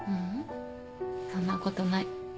そんなことない。